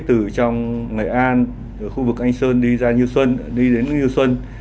từ trong nghệ an khu vực anh sơn đi ra như xuân đi đến như xuân